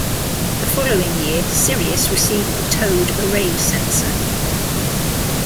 The following year, "Sirius" received the towed array sensor.